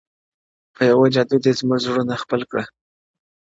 o په يوه جـادو دي زمـــوږ زړونه خپل كړي،